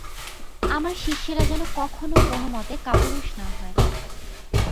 আমার শিষ্যেরা যেন কখনও কোনমতে কাপুরুষ না হয়।